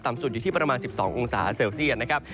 สุดอยู่ที่ประมาณ๑๒องศาเซลเซียตนะครับ